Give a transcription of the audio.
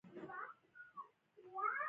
د ټکنالوجۍ پراختیا د علمي څېړنو نتیجه ده.